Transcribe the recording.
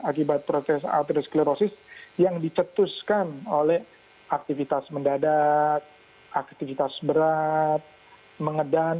akibat protes alterosklerosis yang dicetuskan oleh aktivitas mendadak aktivitas berat mengedan